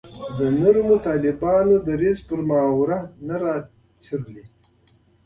د نرمو طالبانو دریځ پر محور نه راچورلي.